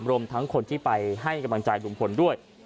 รวมทั้งคนที่ไปให้กำลังใจลุงพลด้วย